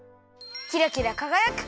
キラキラかがやく！